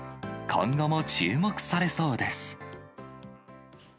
今後も注目されそうです。